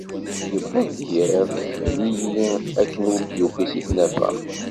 Yewweḍ-d yiḍ ikbel-iyi akken ur d-ukiɣ si tnafa.